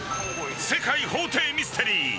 「世界法廷ミステリー」